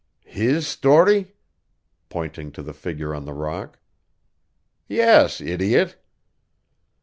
"His story?" pointing to the figure on the rock. "Yes, idiot!"